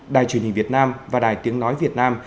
đài truyền hình việt nam và đài tiếng nói việt nam